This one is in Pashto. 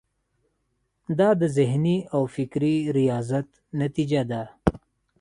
دا د ذهني او فکري ریاضت نتیجه ده.